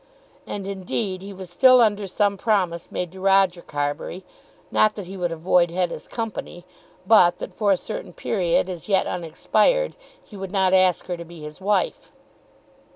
And, indeed, he was still under some promise made to Roger Carbury, not that he would avoid Hetta's company, but that for a certain period, as yet unexpired, he would not ask her to be his wife.